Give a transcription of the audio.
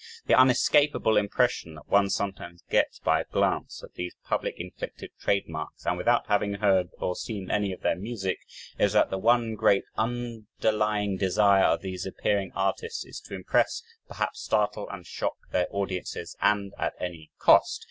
The unescapable impression that one sometimes gets by a glance at these public inflicted trade marks, and without having heard or seen any of their music, is that the one great underlying desire of these appearing artists, is to impress, perhaps startle and shock their audiences and at any cost.